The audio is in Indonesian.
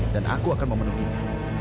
dan aku akan memenuhinya